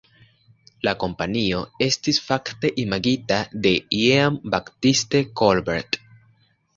La kompanio estis fakte imagita de Jean-Baptiste Colbert.